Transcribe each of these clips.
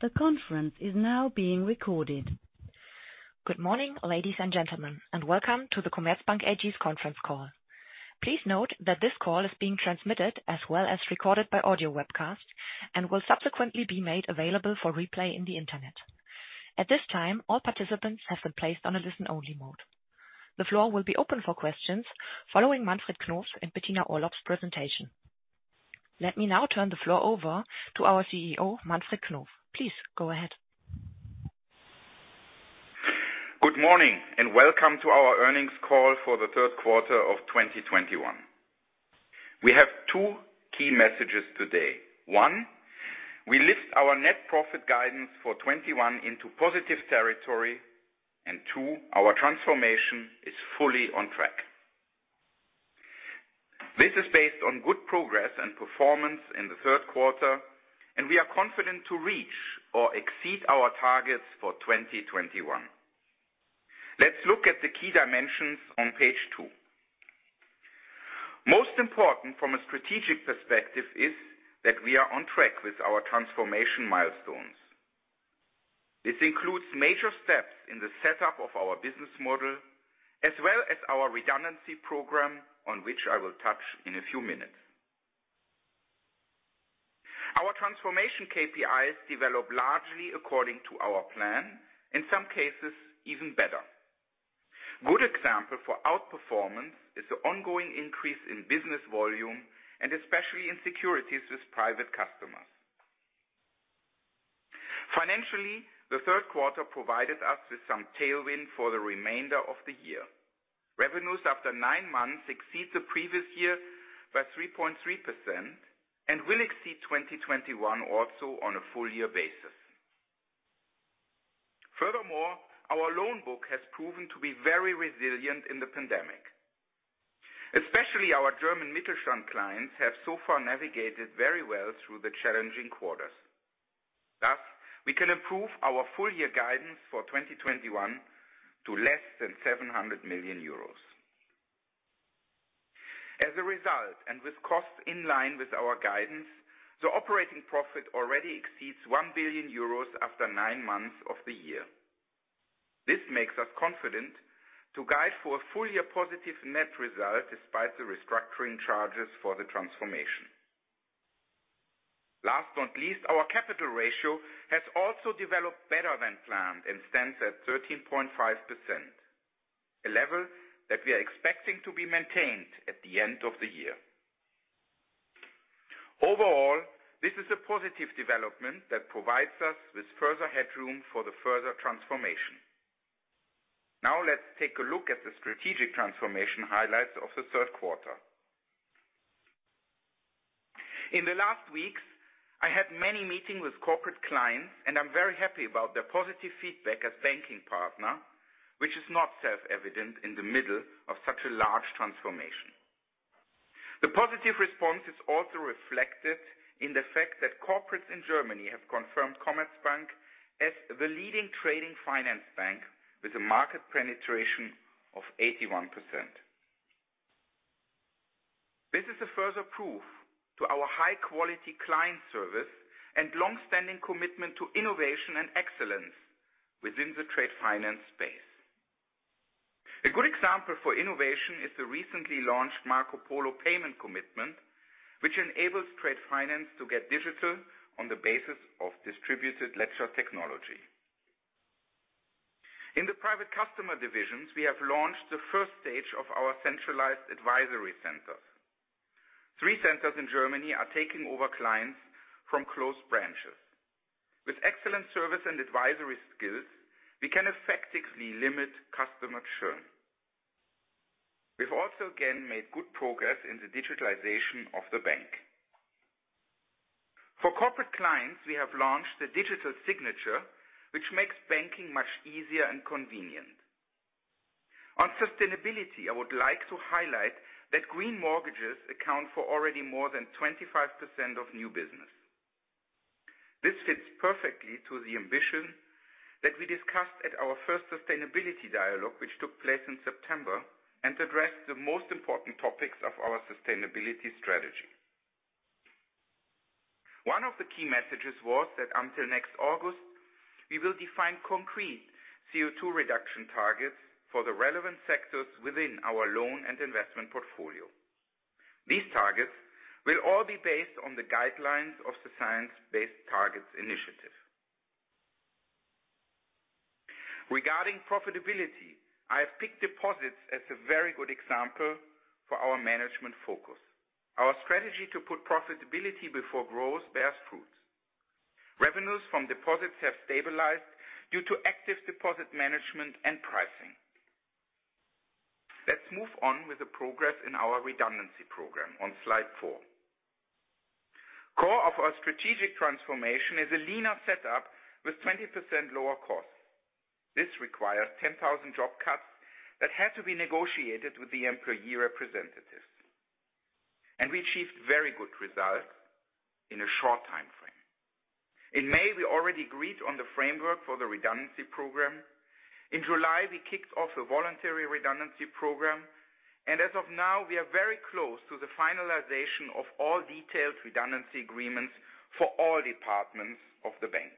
The conference is now being recorded. Good morning, ladies and gentlemen, and welcome to the Commerzbank AG's conference call. Please note that this call is being transmitted as well as recorded by audio webcast and will subsequently be made available for replay on the internet. At this time, all participants have been placed on a listen-only mode. The floor will be open for questions following Manfred Knof and Bettina Orlopp's presentation. Let me now turn the floor over to our CEO, Manfred Knof. Please go ahead. Good morning and welcome to our earnings call for the third quarter of 2021. We have two key messages today. One, we lift our net profit guidance for 2021 into positive territory. Two, our transformation is fully on track. This is based on good progress and performance in the third quarter, and we are confident to reach or exceed our targets for 2021. Let's look at the key dimensions on page two. Most important from a strategic perspective is that we are on track with our transformation milestones. This includes major steps in the setup of our business model, as well as our redundancy program, on which I will touch in a few minutes. Our transformation KPIs develop largely according to our plan, in some cases, even better. Good example for outperformance is the ongoing increase in business volume and especially in securities with private customers. Financially, the third quarter provided us with some tailwind for the remainder of the year. Revenues after nine months exceeds the previous year by 3.3% and will exceed 2021 also on a full year basis. Furthermore, our loan book has proven to be very resilient in the pandemic. Especially our German Mittelstand clients have so far navigated very well through the challenging quarters. Thus, we can improve our full year guidance for 2021 to less than 700 million euros. As a result, and with costs in line with our guidance, the operating profit already exceeds 1 billion euros after nine months of the year. This makes us confident to guide for a full year positive net result despite the restructuring charges for the transformation. Last but not least, our capital ratio has also developed better than planned and stands at 13.5%, a level that we are expecting to be maintained at the end of the year. Overall, this is a positive development that provides us with further headroom for the further transformation. Now let's take a look at the strategic transformation highlights of the third quarter. In the last weeks, I had many meetings with corporate clients, and I'm very happy about their positive feedback as banking partner, which is not self-evident in the middle of such a large transformation. The positive response is also reflected in the fact that corporates in Germany have confirmed Commerzbank as the leading trade finance bank with a market penetration of 81%. This is a further proof of our high-quality client service and long-standing commitment to innovation and excellence within the trade finance space. A good example for innovation is the recently launched Marco Polo payment commitment, which enables trade finance to get digital on the basis of distributed ledger technology. In the private customer divisions, we have launched the first stage of our centralized advisory centers. Three centers in Germany are taking over clients from closed branches. With excellent service and advisory skills, we can effectively limit customer churn. We've also, again, made good progress in the digitalization of the bank. For corporate clients, we have launched a digital signature which makes banking much easier and convenient. On sustainability, I would like to highlight that green mortgages account for already more than 25% of new business. This fits perfectly to the ambition that we discussed at our first sustainability dialogue, which took place in September and addressed the most important topics of our sustainability strategy. One of the key messages was that until next August, we will define concrete CO2 reduction targets for the relevant sectors within our loan and investment portfolio. These targets will all be based on the guidelines of the Science Based Targets initiative. Regarding profitability, I have picked deposits as a very good example for our management focus. Our strategy to put profitability before growth bears fruits. Revenues from deposits have stabilized due to active deposit management and pricing. Let's move on with the progress in our redundancy program on slide four. Core of our strategic transformation is a leaner setup with 20% lower costs. This requires 10,000 job cuts that had to be negotiated with the employee representatives, and we achieved very good results in a short time frame. In May, we already agreed on the framework for the redundancy program. In July, we kicked off a voluntary redundancy program, and as of now, we are very close to the finalization of all detailed redundancy agreements for all departments of the bank.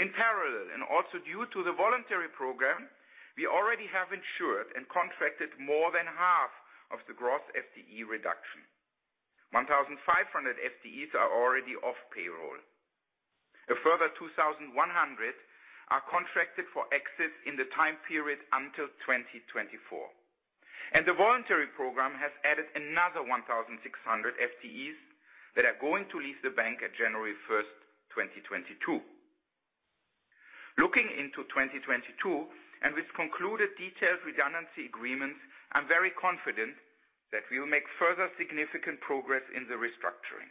In parallel, and also due to the voluntary program, we already have ensured and contracted more than half of the gross FTE reduction. 1,500 FTEs are already off payroll. A further 2,100 are contracted for exit in the time period until 2024. The voluntary program has added another 1,600 FTEs that are going to leave the bank at January 1, 2022. Looking into 2022, and with concluded detailed redundancy agreements, I'm very confident that we will make further significant progress in the restructuring.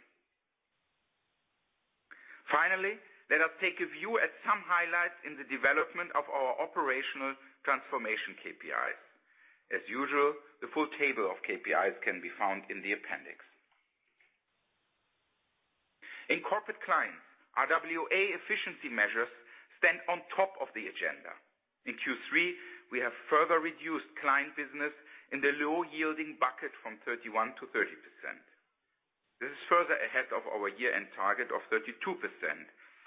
Finally, let us take a view at some highlights in the development of our operational transformation KPIs. As usual, the full table of KPIs can be found in the appendix. In Corporate Clients, RWA efficiency measures stand on top of the agenda. In Q3, we have further reduced client business in the low yielding bucket from 31%-30%. This is further ahead of our year-end target of 32%,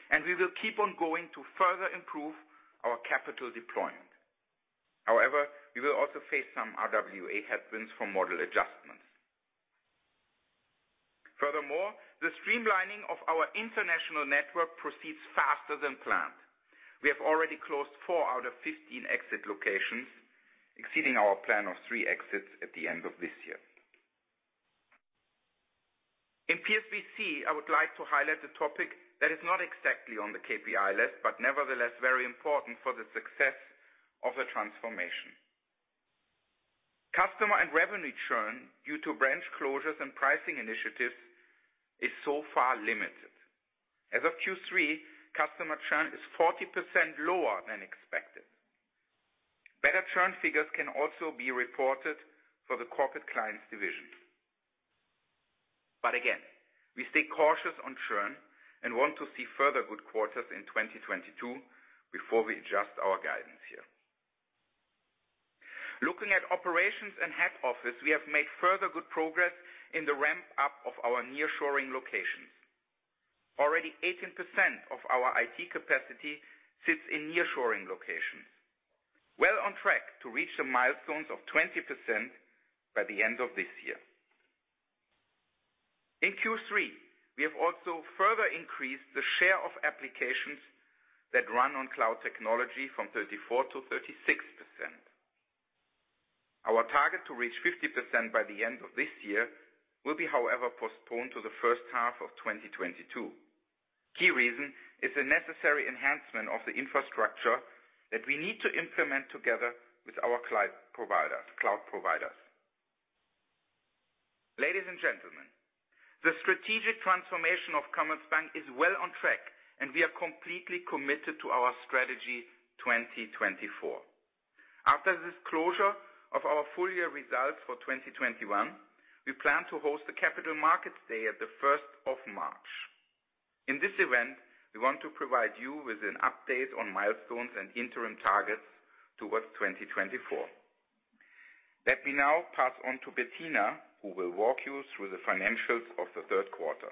and we will keep on going to further improve our capital deployment. However, we will also face some RWA headwinds from model adjustments. Furthermore, the streamlining of our international network proceeds faster than planned. We have already closed four out of 15 exit locations, exceeding our plan of three exits at the end of this year. In PSBC, I would like to highlight a topic that is not exactly on the KPI list, but nevertheless very important for the success of the transformation. Customer and revenue churn due to branch closures and pricing initiatives is so far limited. As of Q3, customer churn is 40% lower than expected. Better churn figures can also be reported for the Corporate Clients division. We stay cautious on churn and want to see further good quarters in 2022 before we adjust our guidance here. Looking at operations and head office, we have made further good progress in the ramp up of our nearshoring locations. Already 18% of our IT capacity sits in nearshoring locations, well on track to reach the milestones of 20% by the end of this year. In Q3, we have also further increased the share of applications that run on cloud technology from 34%-36%. Our target to reach 50% by the end of this year will be, however, postponed to the H1 of 2022. Key reason is the necessary enhancement of the infrastructure that we need to implement together with our client providers, cloud providers. Ladies and gentlemen, the strategic transformation of Commerzbank is well on track, and we are completely committed to our Strategy 2024. After this closure of our full year results for 2021, we plan to host a capital markets day at the first of March. In this event, we want to provide you with an update on milestones and interim targets towards 2024. Let me now pass on to Bettina, who will walk you through the financials of the third quarter.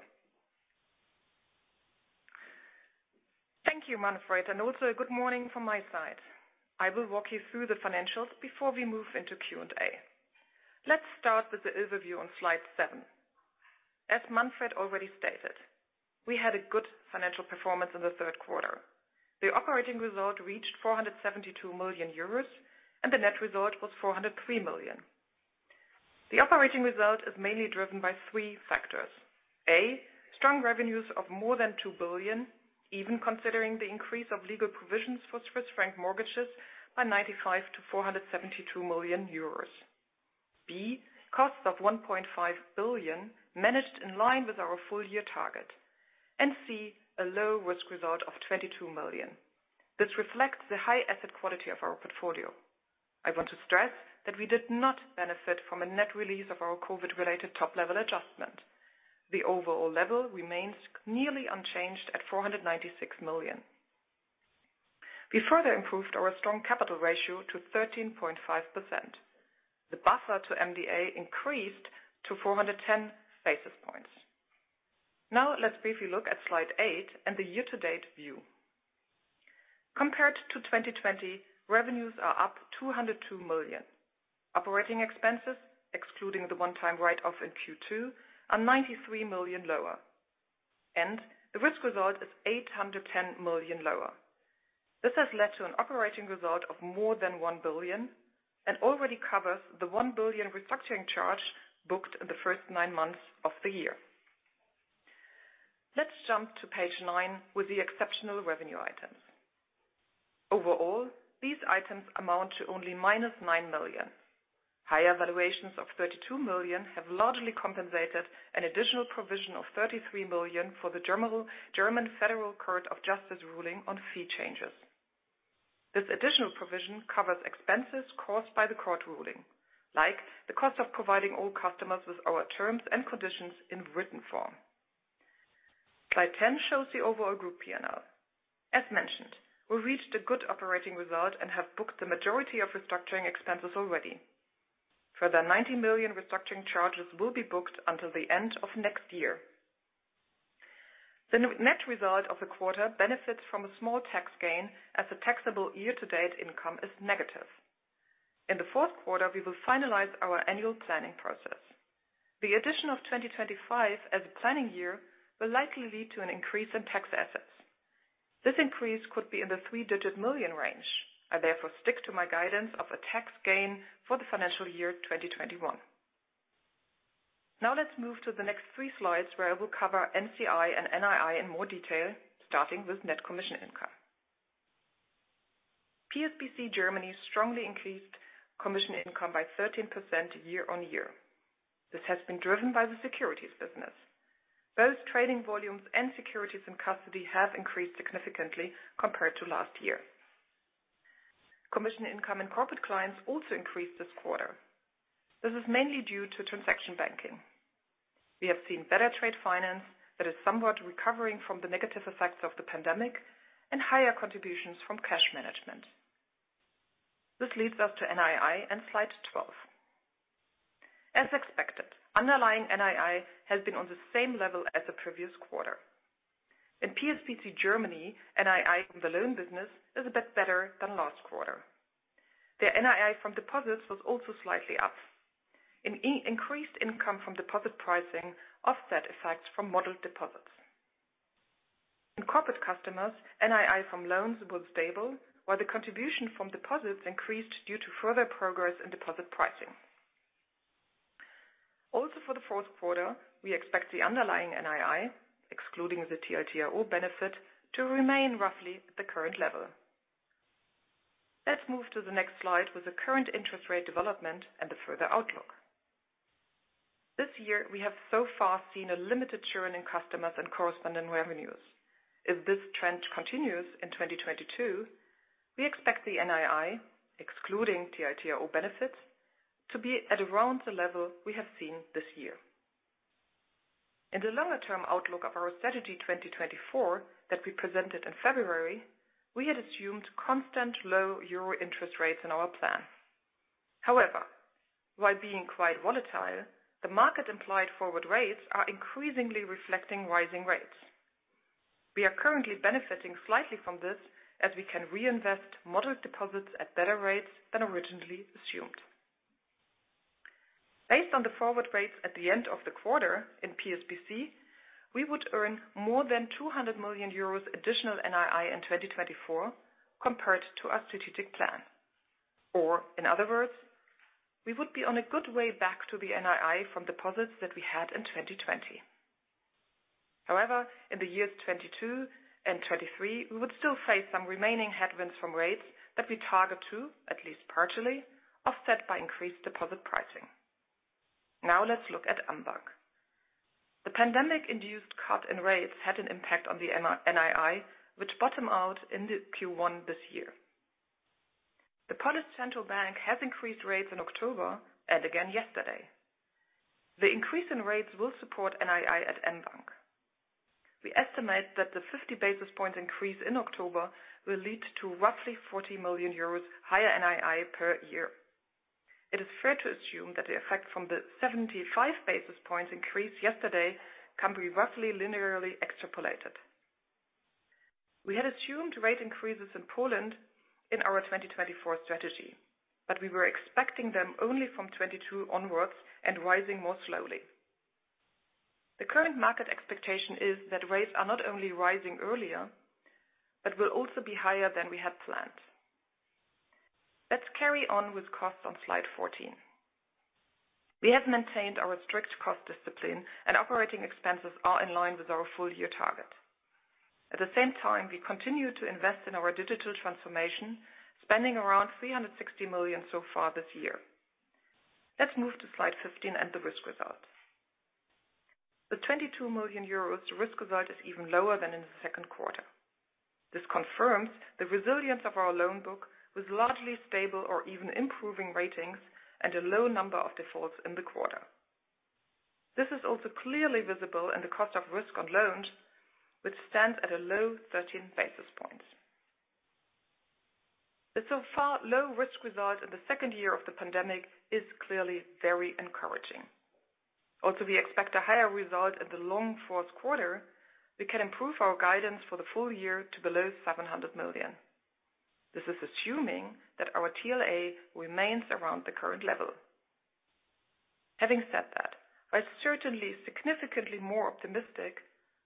Thank you, Manfred, and also a good morning from my side. I will walk you through the financials before we move into Q&A. Let's start with the overview on slide seven. As Manfred already stated, we had a good financial performance in the third quarter. The operating result reached 472 million euros, and the net result was 403 million. The operating result is mainly driven by three factors. A, strong revenues of more than 2 billion, even considering the increase of legal provisions for Swiss franc mortgages by 95 million-472 million euros. B, costs of 1.5 billion managed in line with our full year target. And C, a low risk result of 22 million. This reflects the high asset quality of our portfolio. I want to stress that we did not benefit from a net release of our COVID-related top-level adjustment. The overall level remains nearly unchanged at 496 million. We further improved our strong capital ratio to 13.5%. The buffer to MDA increased to 410 basis points. Now let's briefly look at slide 8 and the year-to-date view. Compared to 2020, revenues are up 202 million. Operating expenses, excluding the one-time write-off in Q2, are 93 million lower. The risk result is 810 million lower. This has led to an operating result of more than 1 billion and already covers the 1 billion restructuring charge booked in the first nine months of the year. Let's jump to page nine with the exceptional revenue items. Overall, these items amount to only minus 9 million. Higher valuations of 32 million have largely compensated an additional provision of 33 million for the German Federal Court of Justice ruling on fee changes. This additional provision covers expenses caused by the court ruling, like the cost of providing all customers with our terms and conditions in written form. Slide 10 shows the overall group P&L. As mentioned, we reached a good operating result and have booked the majority of restructuring expenses already. Further 90 million restructuring charges will be booked until the end of next year. The net result of the quarter benefits from a small tax gain as the taxable year-to-date income is negative. In the fourth quarter, we will finalize our annual planning process. The addition of 2025 as a planning year will likely lead to an increase in tax assets. This increase could be in the EUR three-digit million range. I therefore stick to my guidance of a tax gain for the financial year 2021. Now let's move to the next three slides where I will cover NCI and NII in more detail, starting with net commission income. PSBC Germany strongly increased commission income by 13% year-on-year. This has been driven by the securities business. Both trading volumes and securities in custody have increased significantly compared to last year. Commission income and corporate clients also increased this quarter. This is mainly due to transaction banking. We have seen better trade finance that is somewhat recovering from the negative effects of the pandemic and higher contributions from cash management. This leads us to NII in slide 12. As expected, underlying NII has been on the same level as the previous quarter. In PSBC Germany, NII from the loan business is a bit better than last quarter. The NII from deposits was also slightly up. An increased income from deposit pricing offset effects from modeled deposits. In Corporate Clients, NII from loans was stable while the contribution from deposits increased due to further progress in deposit pricing. Also for the fourth quarter, we expect the underlying NII, excluding the TLTRO benefit, to remain roughly at the current level. Let's move to the next slide with the current interest rate development and the further outlook. This year we have so far seen a limited churn in customers and correspondent revenues. If this trend continues in 2022, we expect the NII, excluding TLTRO benefits, to be at around the level we have seen this year. In the longer term outlook of our Strategy 2024 that we presented in February, we had assumed constant low euro interest rates in our plan. However, while being quite volatile, the market-implied forward rates are increasingly reflecting rising rates. We are currently benefiting slightly from this, as we can reinvest modeled deposits at better rates than originally assumed. Based on the forward rates at the end of the quarter in PSBC, we would earn more than 200 million euros additional NII in 2024 compared to our strategic plan. Or in other words, we would be on a good way back to the NII from deposits that we had in 2020. However, in the years 2022 and 2023, we would still face some remaining headwinds from rates that we target to at least partially offset by increased deposit pricing. Now let's look at mBank. The pandemic-induced cut in rates had an impact on the NII, which bottomed out in the Q1 this year. The National Bank of Poland has increased rates in October and again yesterday. The increase in rates will support NII at mBank. We estimate that the 50 basis points increase in October will lead to roughly 40 million euros higher NII per year. It is fair to assume that the effect from the 75 basis points increase yesterday can be roughly linearly extrapolated. We had assumed rate increases in Poland in our Strategy 2024, but we were expecting them only from 2022 onwards and rising more slowly. The current market expectation is that rates are not only rising earlier, but will also be higher than we had planned. Let's carry on with costs on slide 14. We have maintained our strict cost discipline and operating expenses are in line with our full year target. At the same time, we continue to invest in our digital transformation, spending around 360 million so far this year. Let's move to slide 15 and the risk results. The 22 million euros risk result is even lower than in the second quarter. This confirms the resilience of our loan book with largely stable or even improving ratings and a low number of defaults in the quarter. This is also clearly visible in the cost of risk on loans, which stands at a low 13 basis points. The so far low risk result in the second year of the pandemic is clearly very encouraging. Also, we expect a higher result in the fourth quarter. We can improve our guidance for the full year to below 700 million. This is assuming that our TLA remains around the current level. Having said that, while certainly significantly more optimistic,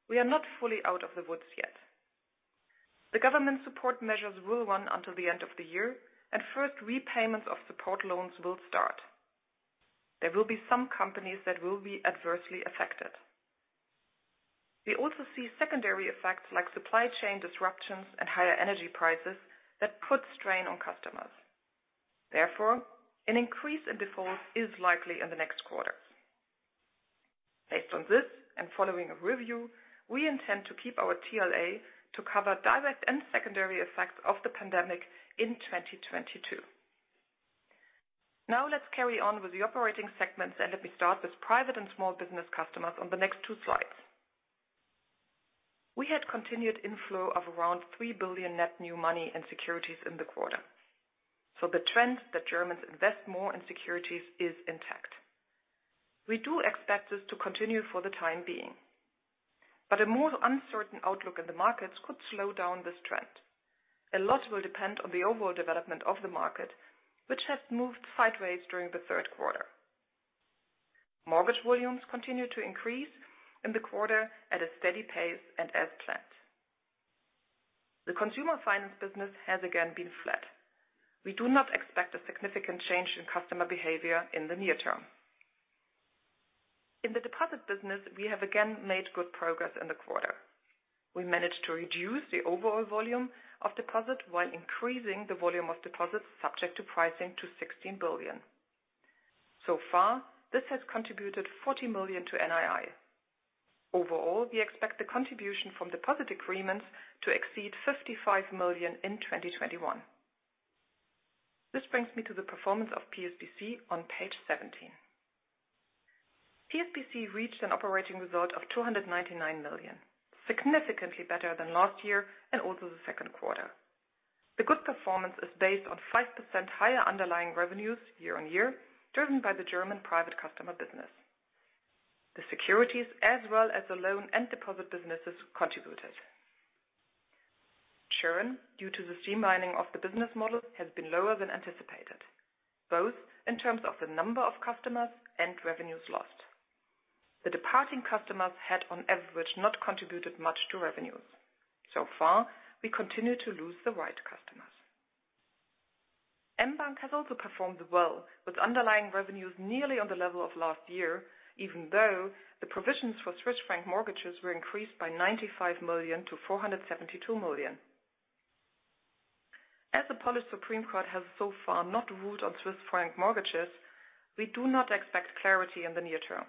we are not fully out of the woods yet. The government support measures will run until the end of the year and first repayments of support loans will start. There will be some companies that will be adversely affected. We also see secondary effects like supply chain disruptions and higher energy prices that put strain on customers. Therefore, an increase in defaults is likely in the next quarter. On this and following a review, we intend to keep our TLA to cover direct and secondary effects of the pandemic in 2022. Now let's carry on with the operating segments, and let me start with Private and Small Business Customers on the next two slides. We had continued inflow of around 3 billion net new money and securities in the quarter. So the trend that Germans invest more in securities is intact. We do expect this to continue for the time being, but a more uncertain outlook in the markets could slow down this trend. A lot will depend on the overall development of the market, which has moved sideways during the third quarter. Mortgage volumes continued to increase in the quarter at a steady pace and as planned. The consumer finance business has again been flat. We do not expect a significant change in customer behavior in the near term. In the deposit business, we have again made good progress in the quarter. We managed to reduce the overall volume of deposit while increasing the volume of deposits subject to pricing to 16 billion. So far, this has contributed 40 million to NII. Overall, we expect the contribution from deposit agreements to exceed 55 million in 2021. This brings me to the performance of PSBC on page 17. PSBC reached an operating result of 299 million, significantly better than last year and also the second quarter. The good performance is based on 5% higher underlying revenues year-on-year, driven by the German private customer business. The securities as well as the loan and deposit businesses contributed. Churn due to the streamlining of the business model has been lower than anticipated, both in terms of the number of customers and revenues lost. The departing customers had on average not contributed much to revenues. So far, we continue to lose the right customers. mBank has also performed well with underlying revenues nearly on the level of last year, even though the provisions for Swiss franc mortgages were increased by 95 million-472 million. As the Polish Supreme Court has so far not ruled on Swiss franc mortgages, we do not expect clarity in the near term.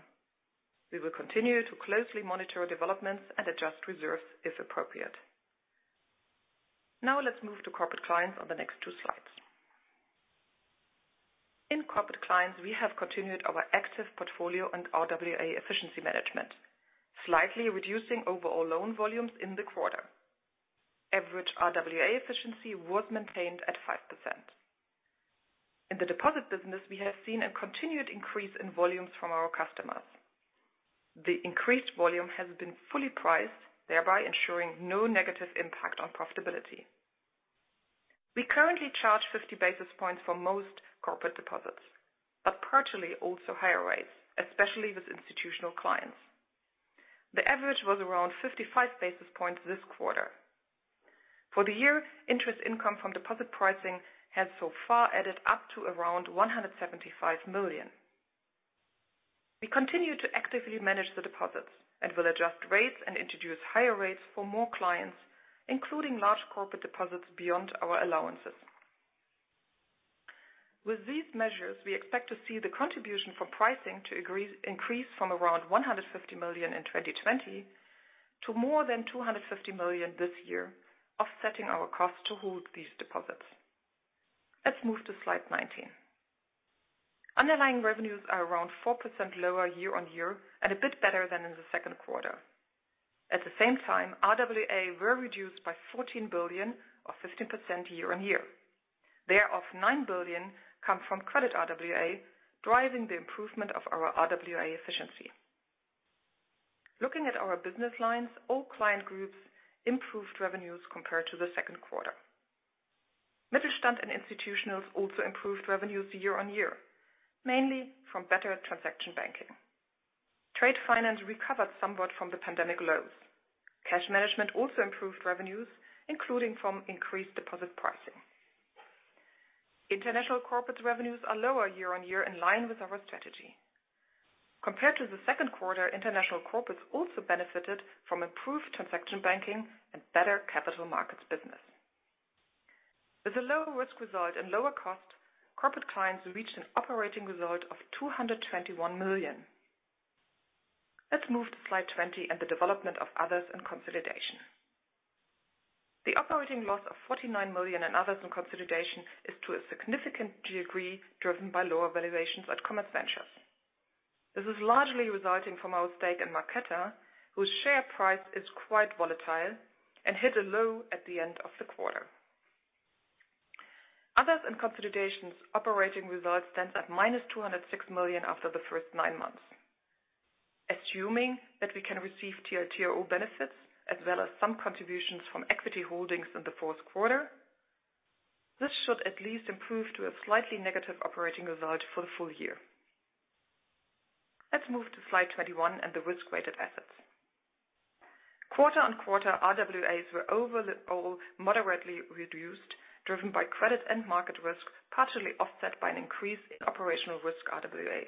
We will continue to closely monitor developments and adjust reserves if appropriate. Now let's move to Corporate Clients on the next two slides. In Corporate Clients, we have continued our active portfolio and RWA efficiency management, slightly reducing overall loan volumes in the quarter. Average RWA efficiency was maintained at 5%. In the deposit business, we have seen a continued increase in volumes from our customers. The increased volume has been fully priced, thereby ensuring no negative impact on profitability. We currently charge 50 basis points for most corporate deposits, but partially also higher rates, especially with institutional clients. The average was around 55 basis points this quarter. For the year, interest income from deposit pricing has so far added up to around 175 million. We continue to actively manage the deposits and will adjust rates and introduce higher rates for more clients, including large corporate deposits beyond our allowances. With these measures, we expect to see the contribution for pricing increase from around 150 million in 2020 to more than 250 million this year, offsetting our cost to hold these deposits. Let's move to slide 19. Underlying revenues are around 4% lower year-on-year and a bit better than in the second quarter. At the same time, RWA were reduced by 14 billion or 15% year-on-year. Thereof 9 billion come from credit RWA, driving the improvement of our RWA efficiency. Looking at our business lines, all client groups improved revenues compared to the second quarter. Mittelstand and institutionals also improved revenues year-on-year, mainly from better transaction banking. Trade finance recovered somewhat from the pandemic lows. Cash management also improved revenues, including from increased deposit pricing. International corporate revenues are lower year-on-year in line with our strategy. Compared to the second quarter, international corporates also benefited from improved transaction banking and better capital markets business. With a lower risk result and lower cost, Corporate Clients reached an operating result of 221 million. Let's move to slide 20 and the development of others and consolidation. The operating loss of 49 million in others and consolidation is to a significant degree driven by lower valuations at CommerzVentures. This is largely resulting from our stake in Marqeta, whose share price is quite volatile and hit a low at the end of the quarter. Others and consolidations operating results stands at -206 million after the first nine months. Assuming that we can receive TLTRO benefits as well as some contributions from equity holdings in the fourth quarter, this should at least improve to a slightly negative operating result for the full year. Let's move to slide 20 and the risk-weighted assets. Quarter-on-quarter, RWAs were overall moderately reduced, driven by credit and market risk, partially offset by an increase in operational risk RWA.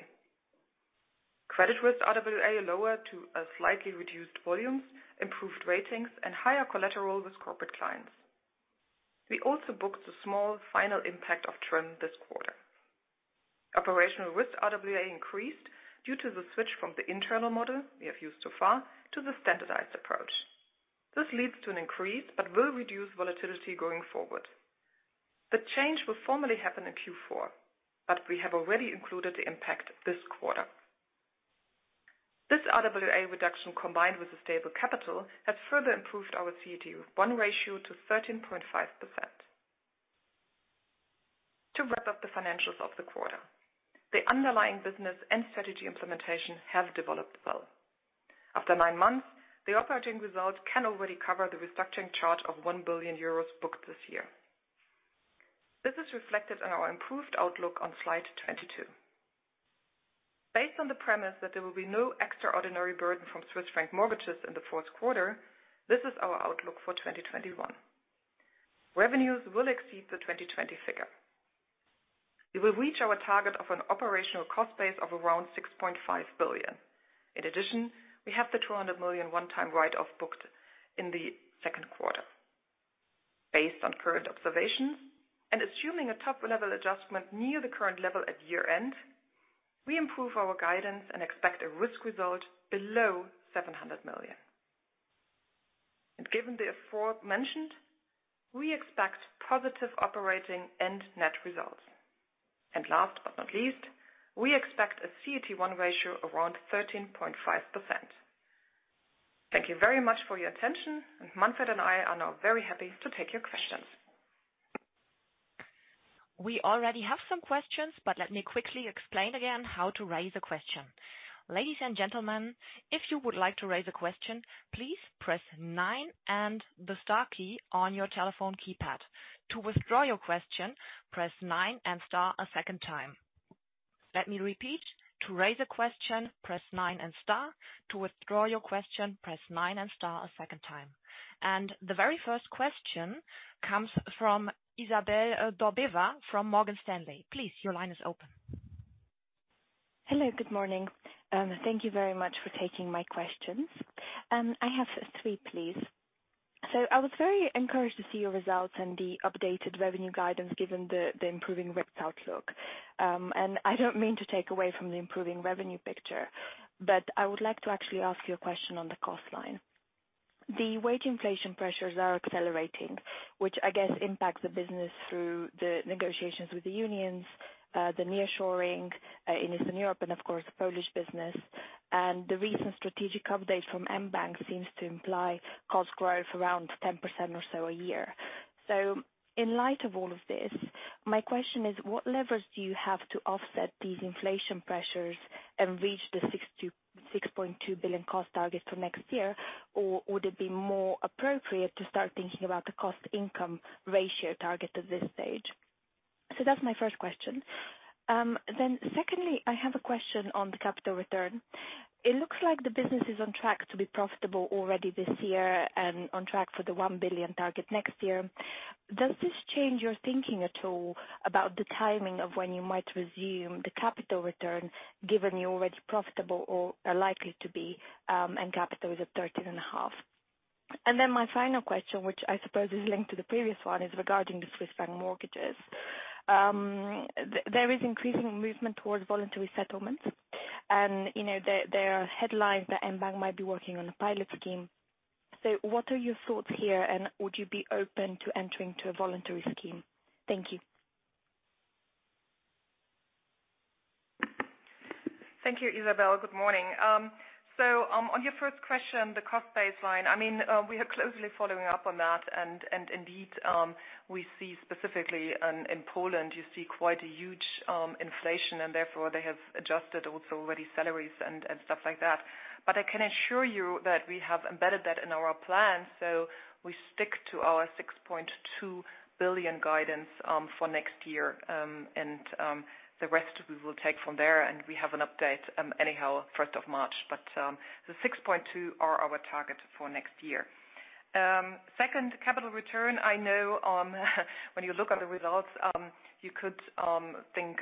Credit risk RWA lower due to a slightly reduced volumes, improved ratings and higher collateral with Corporate Clients. We also booked a small final impact of TRIM this quarter. Operational risk RWA increased due to the switch from the internal model we have used so far to the standardized approach. This leads to an increase but will reduce volatility going forward. The change will formally happen in Q4, but we have already included the impact this quarter. This RWA reduction combined with the stable capital has further improved our CET1 ratio to 13.5%. To wrap up the financials of the quarter, the underlying business and strategy implementation have developed well. After nine months, the operating results can already cover the restructuring charge of 1 billion euros booked this year. This is reflected in our improved outlook on slide 22. Based on the premise that there will be no extraordinary burden from Swiss franc mortgages in the fourth quarter, this is our outlook for 2021. Revenues will exceed the 2020 figure. We will reach our target of an operational cost base of around 6.5 billion. In addition, we have the 200 million one-time write-off booked in the second quarter. Based on current observations and assuming a top-level adjustment near the current level at year-end, we improve our guidance and expect a risk result below 700 million. Given the aforementioned, we expect positive operating and net results. Last but not least, we expect a CET1 ratio around 13.5%. Thank you very much for your attention. Manfred and I are now very happy to take your questions. We already have some questions, but let me quickly explain again how to raise a question. Ladies and gentlemen, if you would like to raise a question, please press nine and the star key on your telephone keypad. To withdraw your question, press nine and star a second time. Let me repeat. To raise a question, press nine and star. To withdraw your question, press nine and star a second time. The very first question comes from Izabel Dobreva from Morgan Stanley. Please, your line is open. Hello, good morning. Thank you very much for taking my questions. I have three, please. I was very encouraged to see your results and the updated revenue guidance given the improving RWA outlook. I don't mean to take away from the improving revenue picture, but I would like to actually ask you a question on the cost line. The wage inflation pressures are accelerating, which I guess impacts the business through the negotiations with the unions, the nearshoring in Eastern Europe, and of course, the Polish business. The recent strategic update from mBank seems to imply cost growth around 10% or so a year. In light of all of this, my question is, what levers do you have to offset these inflation pressures and reach the 6 billion-6.2 billion cost target for next year? Would it be more appropriate to start thinking about the cost income ratio target at this stage? That's my first question. Secondly, I have a question on the capital return. It looks like the business is on track to be profitable already this year and on track for the 1 billion target next year. Does this change your thinking at all about the timing of when you might resume the capital return given you're already profitable or are likely to be, and capital is at 13.5%? My final question, which I suppose is linked to the previous one, is regarding the Swiss franc mortgages. There is increasing movement towards voluntary settlements, and, you know, there are headlines that mBank might be working on a pilot scheme. What are your thoughts here, and would you be open to entering into a voluntary scheme? Thank you. Thank you, Izabel. Good morning. On your first question, the cost baseline, I mean, we are closely following up on that, and indeed, we see specifically in Poland you see quite a huge inflation and therefore they have adjusted also already salaries and stuff like that. I can assure you that we have embedded that in our plan. We stick to our 6.2 billion guidance for next year. The rest we will take from there. We have an update anyhow first of March. The 6.2 billion are our target for next year. Second, capital return. I know when you look at the results you could think,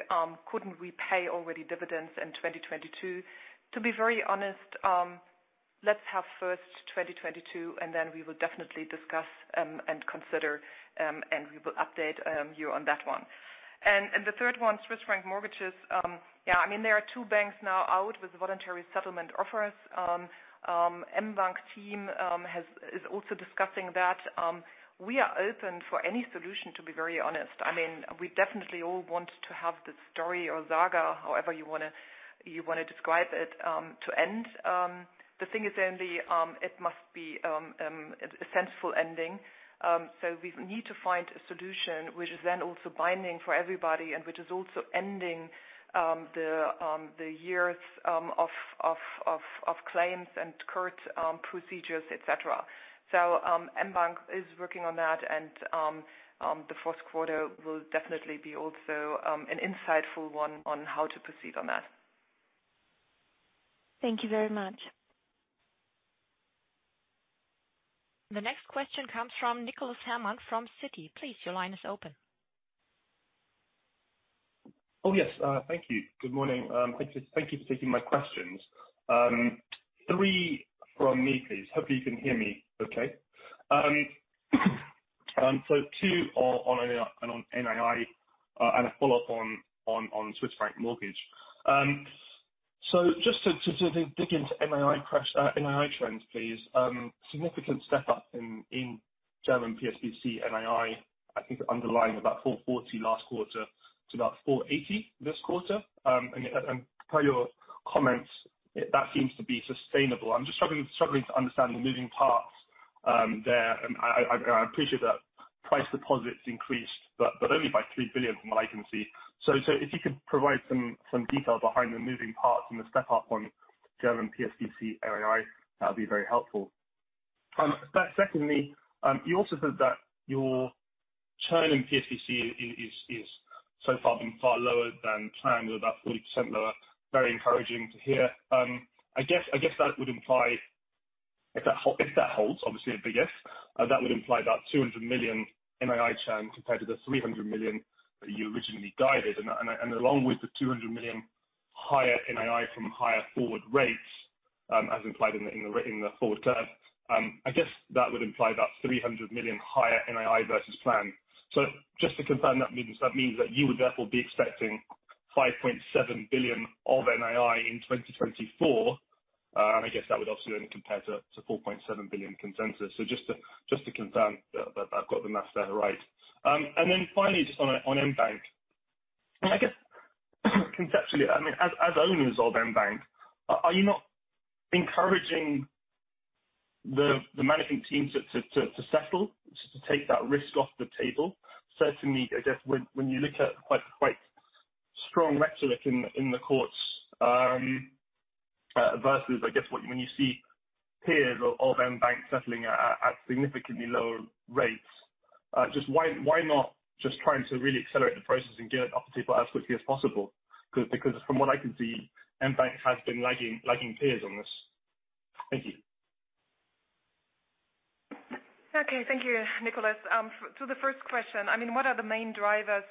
couldn't we pay already dividends in 2022? To be very honest, let's have first 2022, and then we will definitely discuss, and consider, and we will update you on that one. The third one, Swiss franc mortgages. Yeah, I mean, there are two banks now out with voluntary settlement offers. mBank team is also discussing that. We are open for any solution, to be very honest. I mean, we definitely all want to have this story or saga, however you wanna describe it, to end. The thing is only, it must be a sensible ending. We need to find a solution which is then also binding for everybody and which is also ending the years of claims and court procedures, et cetera. So mBank is working on that, and the fourth quarter will definitely be also an insightful one on how to proceed on that. Thank you very much. The next question comes from Nicholas Herman from Citi. Please, your line is open. Oh, yes. Thank you. Good morning. Thank you for taking my questions. Three from me, please. Hopefully, you can hear me okay. Two are on NII, and a follow-up on Swiss franc mortgage. Just to dig into NII trends, please. Significant step-up in German PSBC NII, I think underlying about 440 last quarter to about 480 this quarter. Per your comments, that seems to be sustainable. I'm just struggling to understand the moving parts there. I appreciate that priced deposits increased, but only by 3 billion from what I can see. If you could provide some detail behind the moving parts and the step-up on German PSBC NII, that would be very helpful. Secondly, you also said that your churn in PSBC has so far been far lower than planned, about 40% lower. Very encouraging to hear. I guess that would imply if that holds, obviously a big if, that would imply about 200 million NII churn compared to the 300 million that you originally guided. Along with the 200 million higher NII from higher forward rates, as implied in the forward curve, I guess that would imply about 300 million higher NII versus plan. Just to confirm that means that you would therefore be expecting 5.7 billion of NII in 2024. I guess that would obviously then compare to 4.7 billion consensus. Just to confirm that I've got the math there right. Finally, just on mBank. I guess conceptually, I mean, as owners of mBank, are you not encouraging the managing team to settle, to take that risk off the table? Certainly, I guess when you look at quite strong rhetoric in the courts versus, I guess, what, when you see peers of mBank settling at significantly lower rates. Just why not just trying to really accelerate the process and get it off the table as quickly as possible? Because from what I can see, mBank has been lagging peers on this. Thank you. Okay. Thank you, Nicholas. To the first question, I mean, what are the main drivers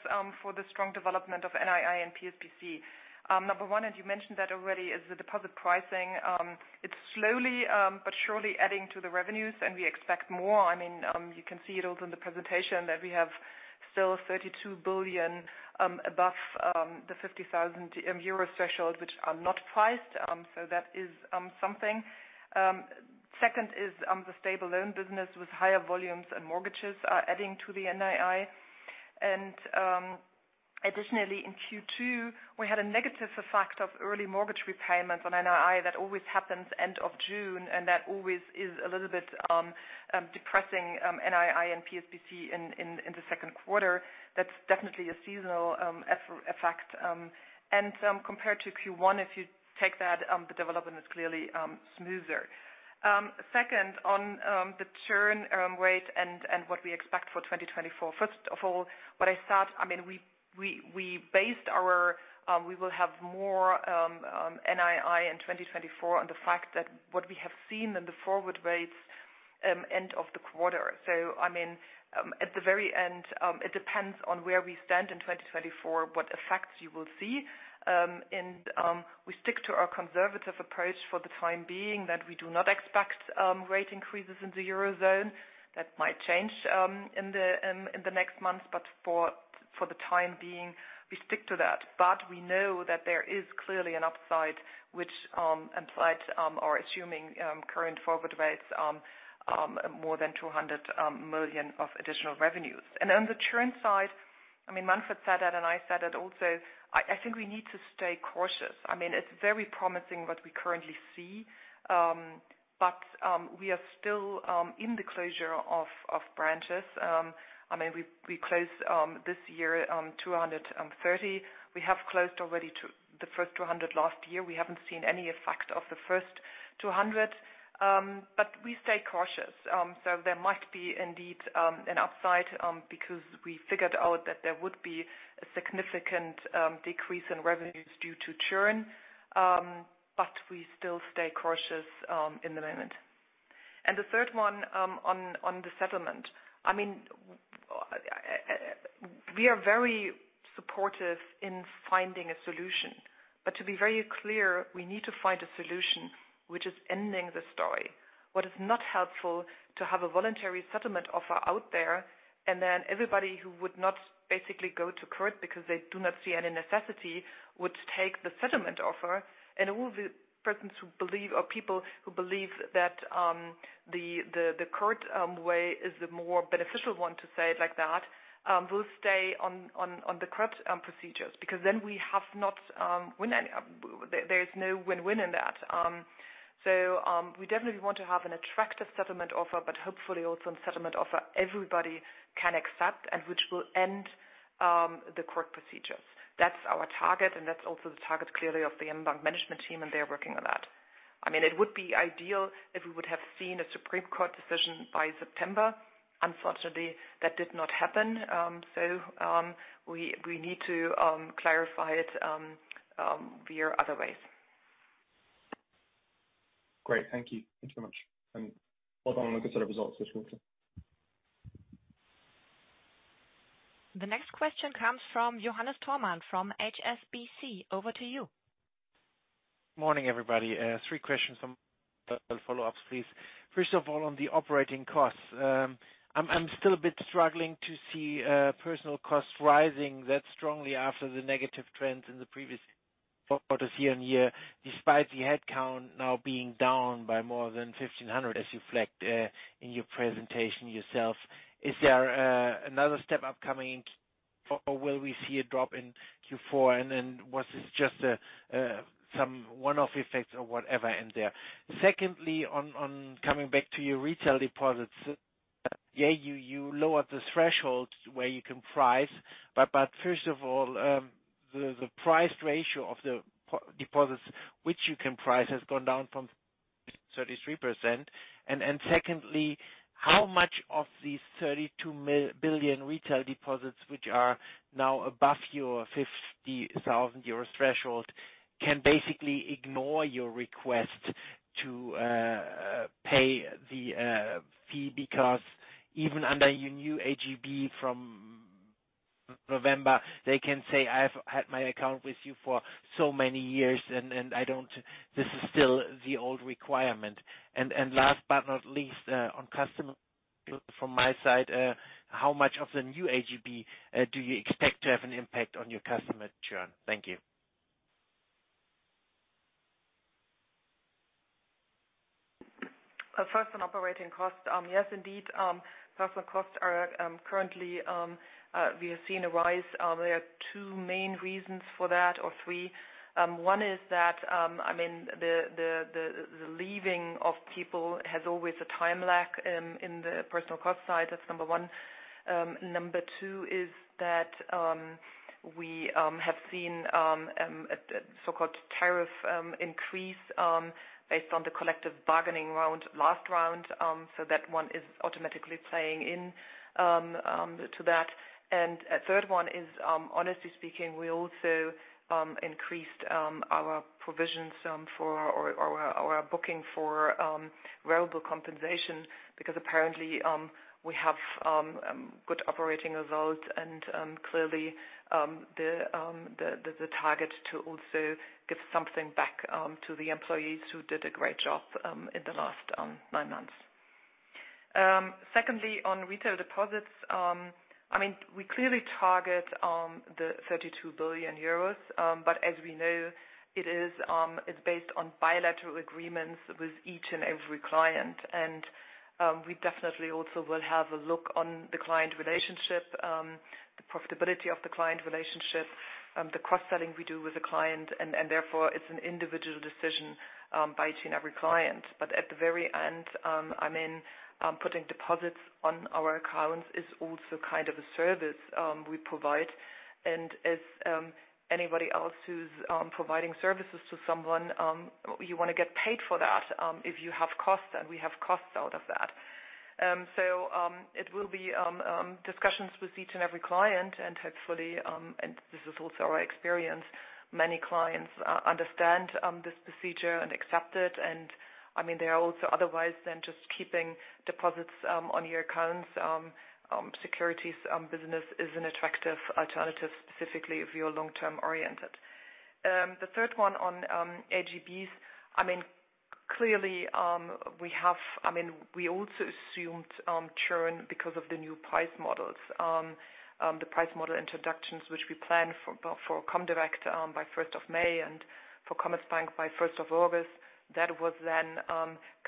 for the strong development of NII and PSBC? Number one, as you mentioned that already is the deposit pricing. It's slowly but surely adding to the revenues, and we expect more. I mean, you can see it also in the presentation that we have still 32 billion above the 50,000 euro threshold, which are not priced. So that is something. Second is the stable loan business with higher volumes and mortgages are adding to the NII. Additionally, in Q2, we had a negative effect of early mortgage repayments on NII. That always happens end of June, and that always is a little bit depressing NII and PSBC in the second quarter. That's definitely a seasonal effect. Compared to Q1, if you take that, the development is clearly smoother. Second, on the churn rate and what we expect for 2024. First of all, what I said, I mean, we will have more NII in 2024 on the fact that what we have seen in the forward rates end of the quarter. I mean, at the very end, it depends on where we stand in 2024, what effects you will see. We stick to our conservative approach for the time being that we do not expect rate increases in the Eurozone. That might change in the next months, but for the time being, we stick to that. We know that there is clearly an upside which implied or assuming current forward rates, more than 200 million of additional revenues. On the churn side, I mean, Manfred said that, and I said it also, I think we need to stay cautious. I mean, it's very promising what we currently see, but we are still in the closure of branches. I mean, we closed this year 230. We have closed already the first 200 last year. We haven't seen any effect of the first 200, but we stay cautious. There might be indeed an upside because we figured out that there would be a significant decrease in revenues due to churn, but we still stay cautious in the moment. The third one on the settlement. I mean, we are very supportive in finding a solution. To be very clear, we need to find a solution which is ending the story. What is not helpful to have a voluntary settlement offer out there, and then everybody who would not basically go to court because they do not see any necessity would take the settlement offer. All the persons who believe or people who believe that the court way is the more beneficial one to say it like that will stay on the court procedures, because then we have not won any. There is no win-win in that. We definitely want to have an attractive settlement offer, but hopefully also a settlement offer everybody can accept and which will end the court procedures. That's our target, and that's also the target, clearly, of the mBank management team, and they are working on that. I mean, it would be ideal if we would have seen a Supreme Court decision by September. Unfortunately, that did not happen. We need to clarify it via other ways. Great. Thank you. Thank you very much. Well done on the good set of results this quarter. The next question comes from Johannes Thormann from HSBC. Over to you. Morning, everybody. Three questions and follow-ups, please. First of all, on the operating costs, I'm still a bit struggling to see personal costs rising that strongly after the negative trends in the previous quarters year-on-year, despite the head count now being down by more than 1,500 as you reflect in your presentation yourself. Is there another step upcoming or will we see a drop in Q4, and then was this just some one-off effects or whatever in there? Secondly, on coming back to your retail deposits. Yeah, you lowered the threshold where you can price, but first of all, the price ratio of the deposits which you can price has gone down from 33%. Secondly, how much of these 32 billion retail deposits, which are now above your 50,000 euro threshold, can basically ignore your request to pay the fee because even under your new AGB from November, they can say, "I've had my account with you for so many years and I don't. This is still the old requirement." Last but not least, on customer from my side, how much of the new AGB do you expect to have an impact on your customer churn? Thank you. First on operating costs. Yes, indeed. Personnel costs are currently we have seen a rise. There are two main reasons for that or three. One is that, I mean, the leaving of people has always a time lag in the personnel cost side. That's number one. Number two is that we have seen a so-called tariff increase based on the collective bargaining round, last round. That one is automatically playing in to that. A third one is, honestly speaking, we also increased our provisions for our booking for variable compensation because apparently we have good operating results and clearly the target to also give something back to the employees who did a great job in the last nine months. Secondly, on retail deposits, I mean, we clearly target 32 billion euros, but as we know, it's based on bilateral agreements with each and every client. We definitely also will have a look on the client relationship, the profitability of the client relationship, the cross-selling we do with the client, and therefore, it's an individual decision by each and every client. At the very end, I mean, putting deposits on our accounts is also kind of a service we provide. As anybody else who's providing services to someone, you wanna get paid for that if you have costs, and we have costs out of that. It will be discussions with each and every client, and hopefully, and this is also our experience, many clients understand this procedure and accept it. I mean, there are also otherwise than just keeping deposits on your accounts, securities business is an attractive alternative, specifically if you're long-term oriented. The third one on AGBs, I mean, clearly, we also assumed churn because of the new price models. The price model introductions, which we plan for comdirect by first of May and for Commerzbank by first of August. That was then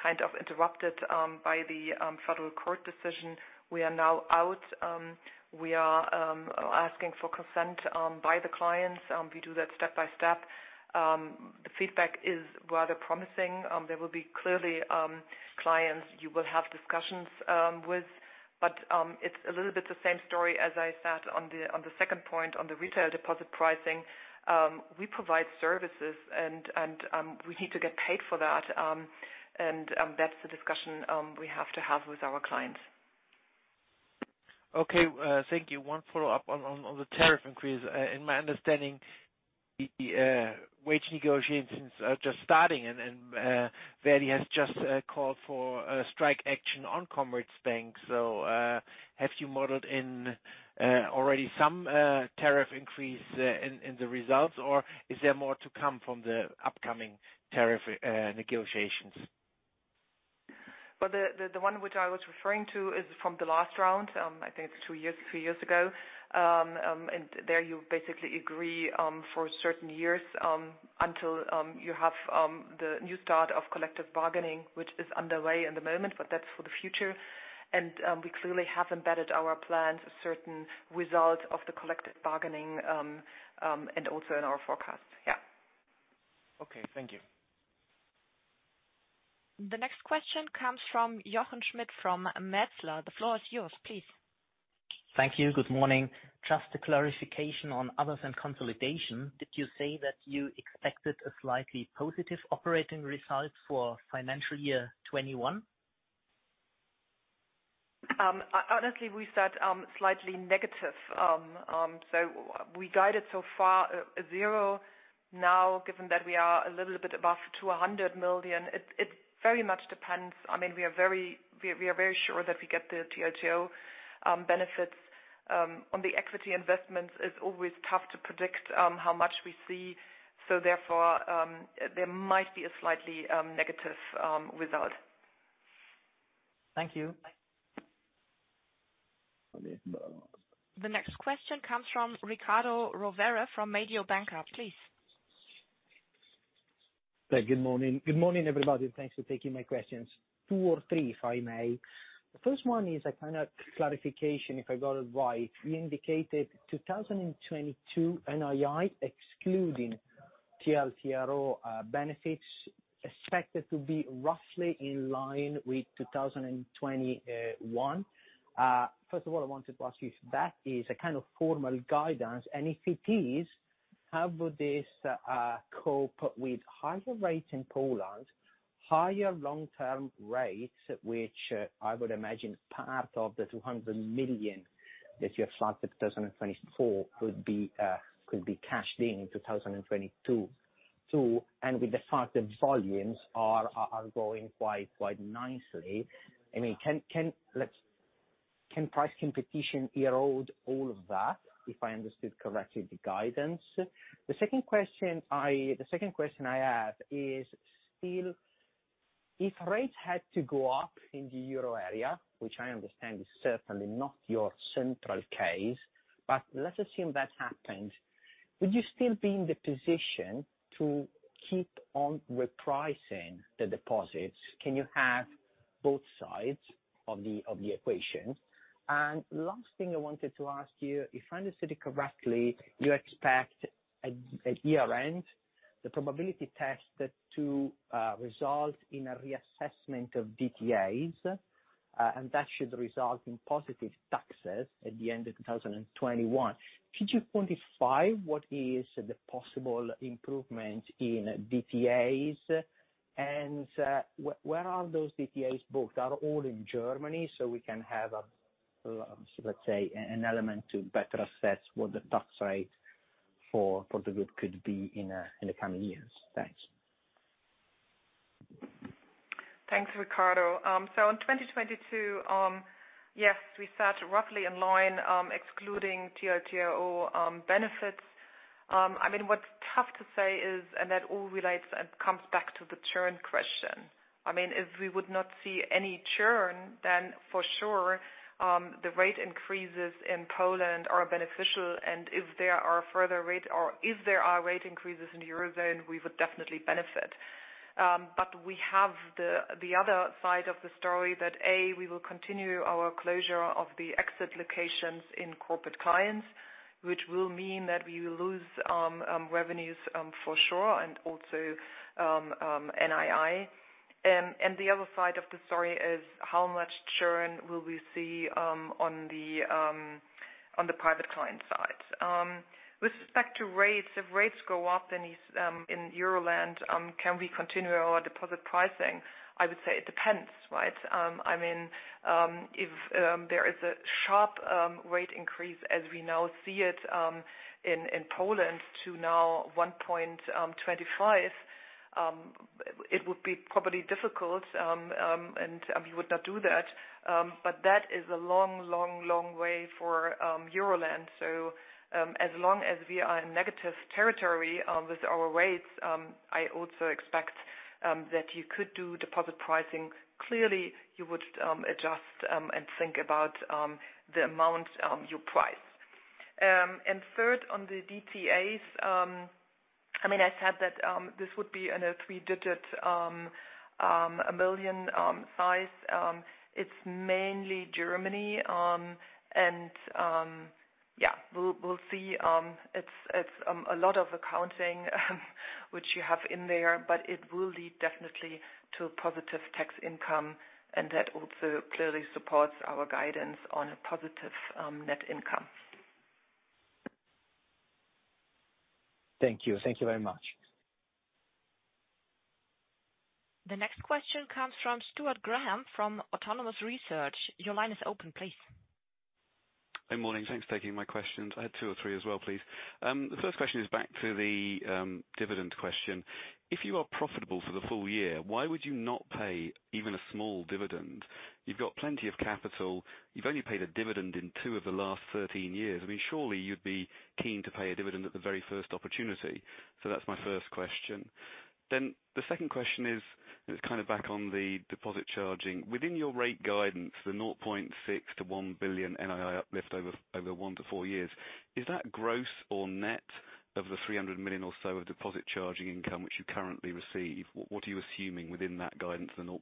kind of interrupted by the federal court decision. We are now out. We are asking for consent by the clients. We do that step by step. The feedback is rather promising. There will be clearly clients you will have discussions with, but it's a little bit the same story as I said on the second point on the retail deposit pricing. We provide services and we need to get paid for that. That's the discussion we have to have with our clients. Okay. Thank you. One follow-up on the tariff increase. In my understanding, the wage negotiations are just starting and ver.di has just called for a strike action on Commerzbank. Have you modeled in already some tariff increase in the results, or is there more to come from the upcoming tariff negotiations? Well, the one which I was referring to is from the last round. I think it's two years, three years ago. There you basically agree for certain years until you have the new start of collective bargaining, which is underway at the moment, but that's for the future. We clearly have embedded our plans, certain results of the collective bargaining, and also in our forecasts. Yeah. Okay. Thank you. The next question comes from Jochen Schmitt from Metzler. The floor is yours, please. Thank you. Good morning. Just a clarification on Others and Consolidation. Did you say that you expected a slightly positive operating result for financial year 2021? Honestly, we start slightly negative. We guided so far zero. Now, given that we are a little bit above to 100 million, it very much depends. I mean, we are very sure that we get the TLTRO benefits. On the equity investments it's always tough to predict how much we see. Therefore, there might be a slightly negative result. Thank you. The next question comes from Riccardo Rovere from Mediobanca. Please. Good morning. Good morning, everybody, and thanks for taking my questions. Two or three if I may. The first one is a kind of clarification, if I got it right. You indicated 2022 NII excluding TLTRO benefits expected to be roughly in line with 2021. First of all, I wanted to ask you if that is a kind of formal guidance. If it is, how would this cope with higher rates in Poland, higher long-term rates, which I would imagine part of the 200 million that you have flagged in 2024 could be cashed in 2022. Two, and with the fact that volumes are growing quite nicely, I mean, can price competition erode all of that, if I understood correctly the guidance? The second question I have is still if rates had to go up in the Euro area, which I understand is certainly not your central case, but let's assume that happens, would you still be in the position to keep on repricing the deposits? Can you have both sides of the equation? Last thing I wanted to ask you, if I understood it correctly, you expect at year-end the probability test to result in a reassessment of DTAs, and that should result in positive taxes at the end of 2021. Could you quantify what is the possible improvement in DTAs? Where are those DTAs booked? Are all in Germany so we can have a, let's say, an element to better assess what the tax rate for the group could be in the coming years? Thanks. Thanks, Riccardo. In 2022, yes, we sat roughly in line, excluding TLTRO benefits. I mean, what's tough to say is that all relates and comes back to the churn question. I mean, if we would not see any churn, then for sure the rate increases in Poland are beneficial. If there are further rate increases in Eurozone, we would definitely benefit. But we have the other side of the story that, A, we will continue our closure of the exit locations in Corporate Clients, which will mean that we will lose revenues for sure, and also NII. The other side of the story is how much churn will we see on the private client side. With respect to rates, if rates go up in Euroland, can we continue our deposit pricing? I would say it depends, right? I mean, if there is a sharp rate increase as we now see it in Poland to now 1.25%, it would be probably difficult and we would not do that. But that is a long way for Euroland. As long as we are in negative territory with our rates, I also expect that you could do deposit pricing. Clearly, you would adjust and think about the amount you price. Third, on the DTAs, I mean, I said that this would be in a three-digit million size. It's mainly Germany. Yeah, we'll see. It's a lot of accounting which you have in there, but it will lead definitely to a positive tax income, and that also clearly supports our guidance on a positive net income. Thank you. Thank you very much. The next question comes from Stuart Graham from Autonomous Research. Your line is open, please. Good morning. Thanks for taking my questions. I had two or three as well, please. The first question is back to the dividend question. If you are profitable for the full year, why would you not pay even a small dividend? You've got plenty of capital. You've only paid a dividend in two of the last 13 years. I mean, surely you'd be keen to pay a dividend at the very first opportunity. That's my first question. The second question is kind of back on the deposit charging. Within your rate guidance, the 0.6 billion-1 billion NII uplift over one-four years, is that gross or net of the 300 million or so of deposit charging income which you currently receive? What are you assuming within that guidance, the 0.6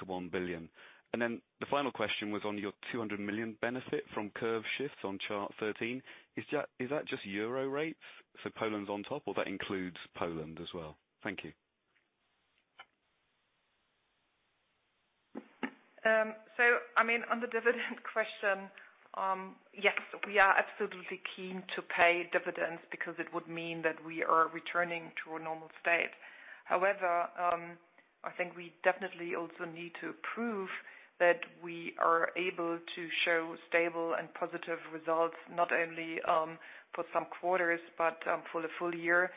billion-1 billion? The final question was on your 200 million benefit from curve shifts on chart 13. Is that just euro rates, so Poland's on top, or that includes Poland as well? Thank you. I mean, on the dividend question, yes, we are absolutely keen to pay dividends because it would mean that we are returning to a normal state. However, I think we definitely also need to prove that we are able to show stable and positive results, not only for some quarters, but for the full year,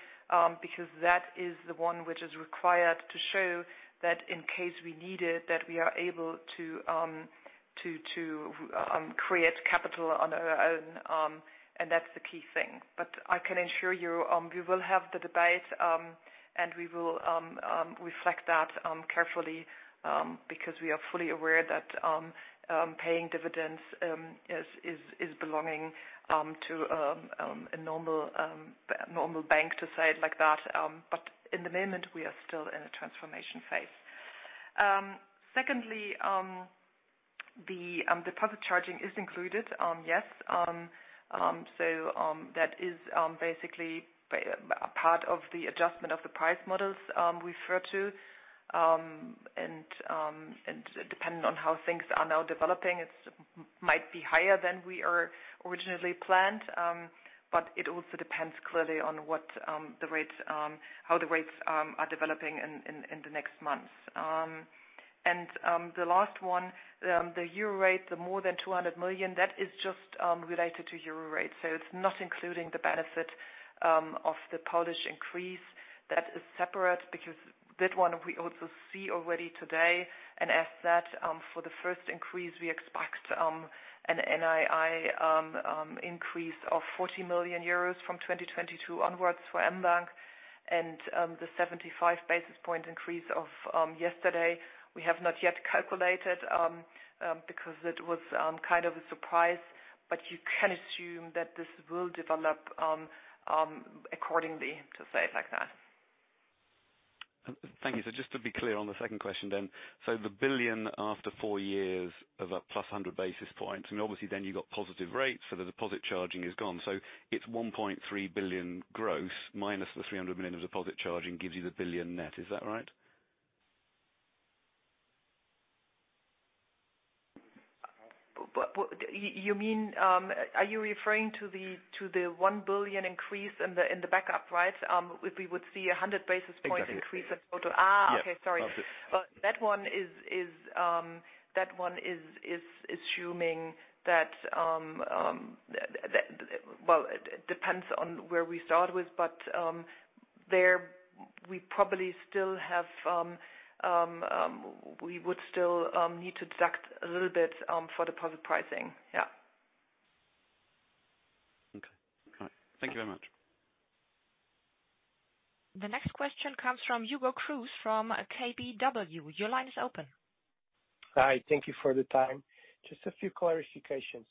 because that is the one which is required to show that in case we need it, that we are able to create capital on our own, and that's the key thing. I can assure you, we will have the debate, and we will reflect that carefully, because we are fully aware that paying dividends is belonging to a normal bank to say it like that. In the moment, we are still in a transformation phase. Secondly, the deposit charging is included, yes. That is basically a part of the adjustment of the price models we refer to. Dependent on how things are now developing, it might be higher than we originally planned, but it also depends clearly on how the rates are developing in the next months. The last one, the euro rate, the more than 200 million, that is just related to euro rate. It's not including the benefit of the Polish increase. That is separate because that one we also see already today. For the first increase, we expect an NII increase of 40 million euros from 2022 onwards for mBank. The 75 basis point increase of yesterday, we have not yet calculated because it was kind of a surprise. You can assume that this will develop accordingly, to say it like that. Thank you. Just to be clear on the second question then. The billion after four years of a plus 100 basis points, and obviously then you've got positive rates, so the deposit charging is gone. It's 1.3 billion gross minus the 300 million of deposit charging gives you the billion net. Is that right? You mean, are you referring to the 1 billion increase in the backup, right? We would see a 100 basis point increase in total. Exactly. Okay. Sorry. Yes. That one is assuming that well, it depends on where we start with, but we would still need to deduct a little bit for deposit pricing. Yeah. Okay. All right. Thank you very much. The next question comes from Hugo Cruz from KBW. Your line is open. Hi. Thank you for the time. Just a few clarifications.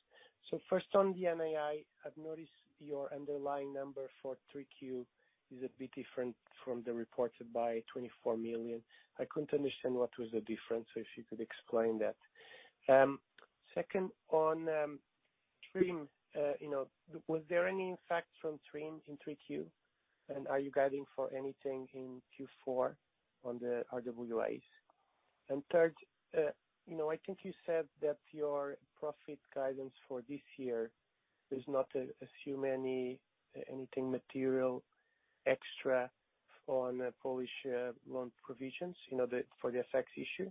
First on the NII, I've noticed your underlying number for 3Q is a bit different from the reported by 24 million. I couldn't understand what was the difference, so if you could explain that. Second, on TRIM, you know, was there any impact from TRIM in 3Q? And are you guiding for anything in Q4 on the RWAs? And third, you know, I think you said that your profit guidance for this year does not assume anything material extra on the Polish loan provisions, you know, the FX issue.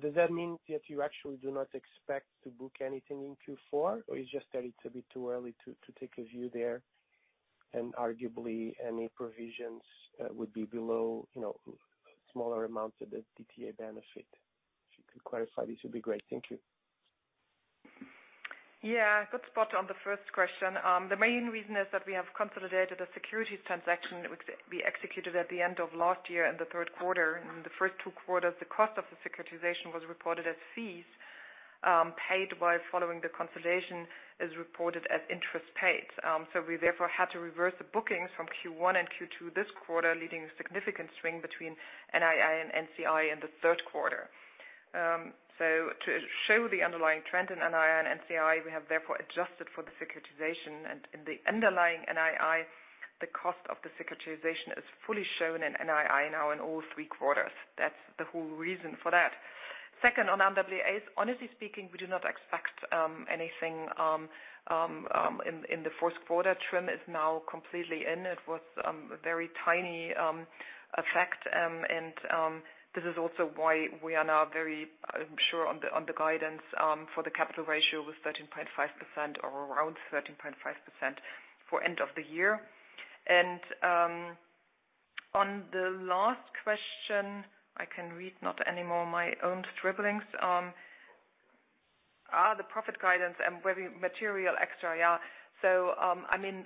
Does that mean that you actually do not expect to book anything in Q4, or it's just that it's a bit too early to take a view there, and arguably any provisions would be below, you know, smaller amounts of the DTA benefit? If you could clarify, this would be great. Thank you. Yeah. Good spot on the first question. The main reason is that we have consolidated a securities transaction that was to be executed at the end of last year and the third quarter. In the first two quarters, the cost of the securitization was reported as fees paid. Following the consolidation, it is reported as interest paid. We therefore had to reverse the bookings from Q1 and Q2 this quarter, leading to a significant swing between NII and NCI in the third quarter. To show the underlying trend in NII and NCI, we have therefore adjusted for the securitization. In the underlying NII, the cost of the securitization is fully shown in NII now in all three quarters. That's the whole reason for that. Second, on RWAs, honestly speaking, we do not expect anything in the fourth quarter. TRIM is now completely in. It was a very tiny effect, and this is also why we are now very sure on the guidance for the capital ratio with 13.5% or around 13.5% for end of the year. On the last question, I can read not anymore my own scribblings. The profit guidance and whether material extra, yeah. I mean,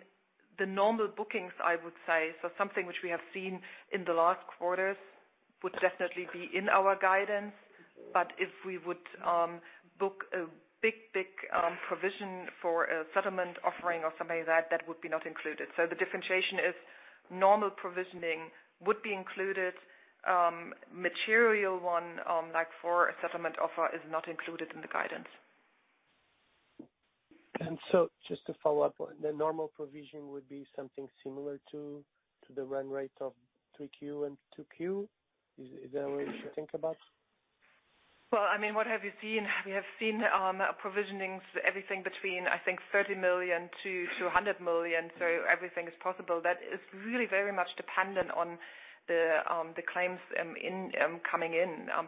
the normal bookings, I would say, something which we have seen in the last quarters would definitely be in our guidance. But if we would book a big provision for a settlement offering or something like that would be not included. The differentiation is normal provisioning would be included. Material one, like for a settlement offer, is not included in the guidance. Just to follow up, the normal provision would be something similar to the run rate of 3Q and 2Q? Is that a way to think about it? Well, I mean, what have you seen? We have seen provisions, everything between, I think, 30 million-200 million. Everything is possible. That is really very much dependent on the claims incoming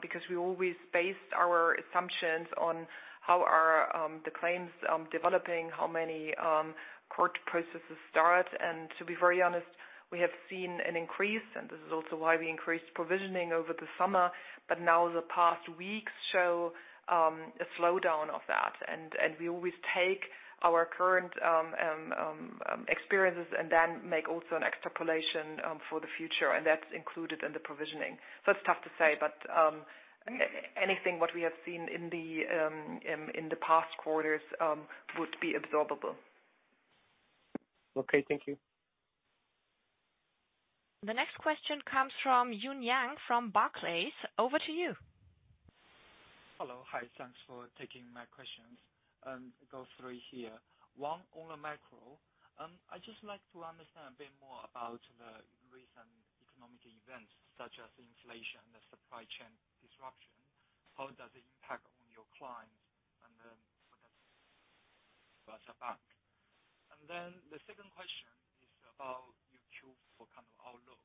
because we always based our assumptions on how are the claims developing, how many court processes start. To be very honest, we have seen an increase, and this is also why we increased provisioning over the summer. Now the past weeks show a slowdown of that. We always take our current experiences and then make also an extrapolation for the future, and that's included in the provisioning. It's tough to say, but anything what we have seen in the past quarters would be absorbable. Okay, thank you. The next question comes from Jun Yang from Barclays. Over to you. Hello. Hi, thanks for taking my questions. One, on the macro, I'd just like to understand a bit more about the recent economic events such as inflation, the supply chain disruption. How does it impact on your clients and then for the, for us at bank? The second question is about Q4 kind of outlook.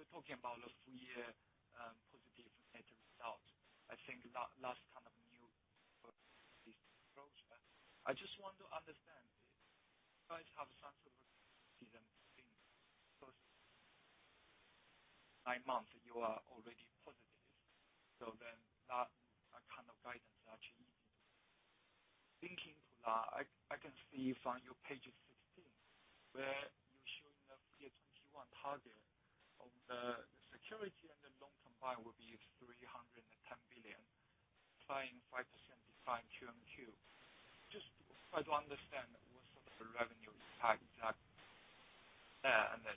We're talking about a full year, positive net result. I think that last kind of new approach. I just want to understand if you guys have a sense of seasonality being first nine months, you are already positive. That kind of guidance actually linking to that, I can see from your page 16 where you're showing the 3Q21 target of the securities and the loans combined will be EUR 310 billion, applying 5% decline QOQ. Just try to understand what sort of revenue impact is that.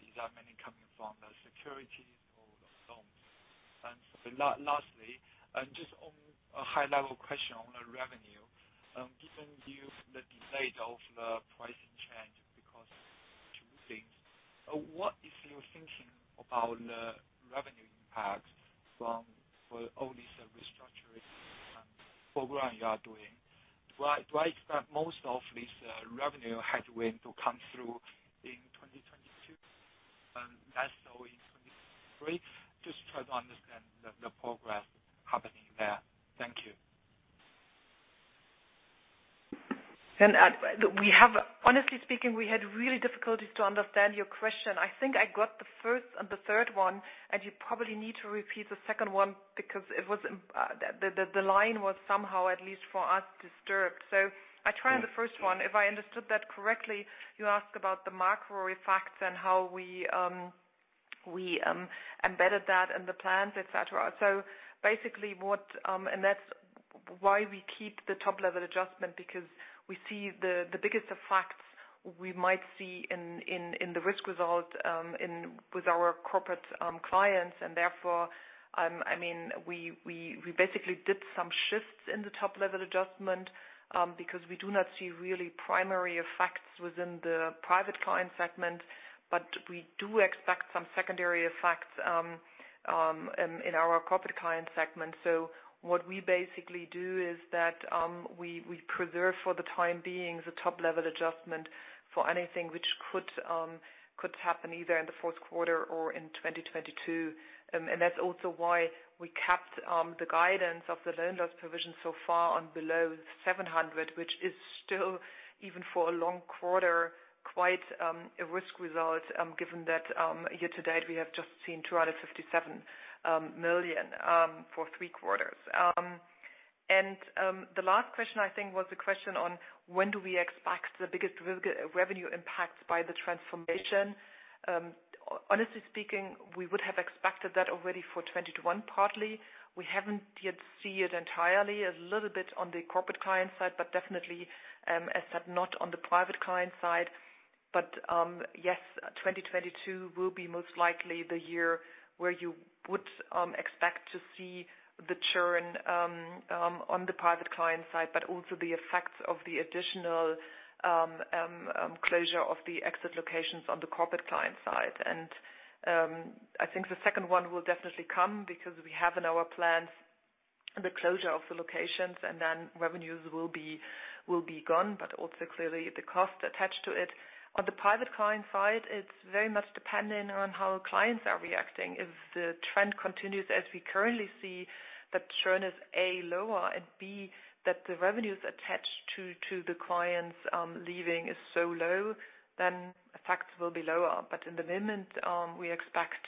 Is that mainly coming from the securities or the loans? Lastly, just on a high level question on the revenue, given the debate of the pricing change because two things. What is your thinking about the revenue impact from, for all these restructuring program you are doing? Do I expect most of this revenue headwind to come through in 2022 and less so in 2023? Just trying to understand the progress happening there. Thank you. Honestly speaking, we had really difficulties to understand your question. I think I got the first and the third one, and you probably need to repeat the second one because it was the line was somehow, at least for us, disturbed. I try on the first one, if I understood that correctly, you ask about the macro effects and how we embedded that in the plans, et cetera. Basically what, and that's why we keep the top-level adjustment because we see the biggest effects we might see in the risk result in with our Corporate Clients. Therefore, I mean, we basically did some shifts in the top-level adjustment because we do not see really primary effects within the private client segment. We do expect some secondary effects in our Corporate Clients segment. What we basically do is that we preserve for the time being the top-level adjustment for anything which could happen either in the fourth quarter or in 2022. That's also why we kept the guidance of the loan loss provision so far on below 700 million, which is still, even for a long quarter, quite a risk result, given that year-to-date, we have just seen 257 million for three quarters. The last question I think was the question on when do we expect the biggest revenue impacts by the transformation? Honestly speaking, we would have expected that already for 2022 Q1 partly. We haven't yet seen it entirely. A little bit on the Corporate Clients side, but definitely, as said, not on the private client side. Yes, 2022 will be most likely the year where you would expect to see the churn on the private client side, but also the effects of the additional closure of the exit locations on the Corporate Clients side. I think the second one will definitely come because we have in our plans the closure of the locations and then revenues will be gone, but also clearly the cost attached to it. On the private client side, it's very much dependent on how clients are reacting. If the trend continues as we currently see, that churn is A, lower, and B, that the revenues attached to the clients leaving is so low, then effects will be lower. In the moment, we expect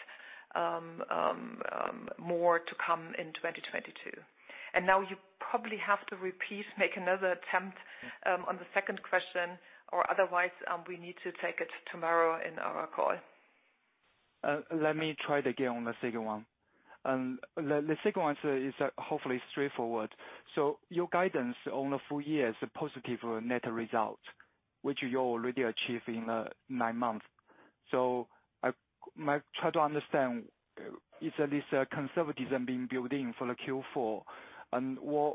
more to come in 2022. Now you probably have to repeat, make another attempt, on the second question or otherwise, we need to take it tomorrow in our call. Let me try it again on the second one. The second one is hopefully straightforward. Your guidance on the full year is a positive net result, which you already achieve in nine months. I try to understand, is at least conservatism being built in for the Q4?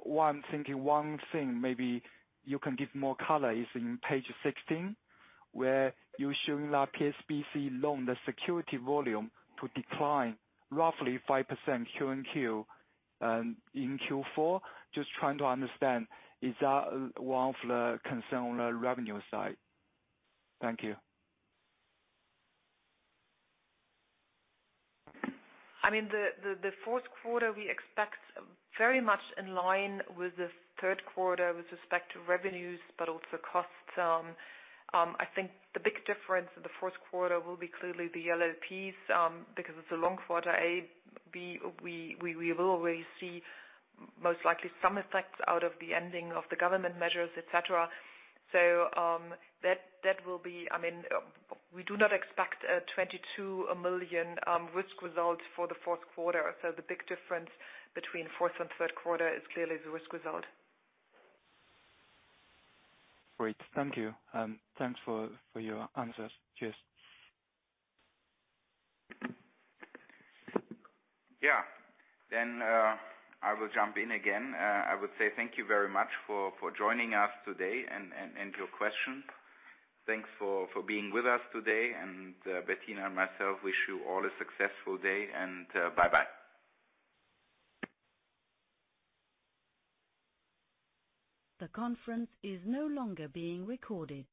One thing maybe you can give more color is in page 16, where you're showing the PSBC loan, the security volume to decline roughly 5% QOQ in Q4. Just trying to understand, is that one of the concern on the revenue side? Thank you. I mean, the fourth quarter we expect very much in line with the third quarter with respect to revenues, but also costs. I think the big difference in the fourth quarter will be clearly the LLPs, because it's a long quarter. We will already see most likely some effects out of the ending of the government measures, et cetera. That will be. I mean, we do not expect a 22 million risk result for the fourth quarter. The big difference between fourth and third quarter is clearly the risk result. Great. Thank you. Thanks for your answers. Cheers. Yeah. I will jump in again. I would say thank you very much for joining us today and your question. Thanks for being with us today. Bettina and myself wish you all a successful day. Bye-bye. The conference is no longer being recorded.